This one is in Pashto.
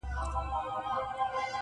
که نن هرڅه بې آزاره در ښکاریږي -